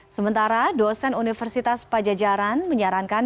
sementara dosen universitas pajajaran menyarankan